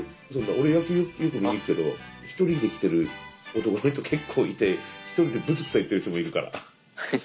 俺野球よく見に行くけどひとりで来てる男の人結構いてひとりでぶつくさ言ってる人もいるから。